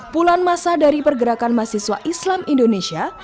puluhan masa dari pergerakan mahasiswa islam indonesia